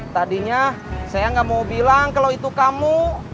tadinya saya nggak mau bilang kalau itu kamu